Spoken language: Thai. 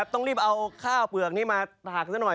ต้องรีบเอาข้าวเปลือกนี้มาถักซะหน่อย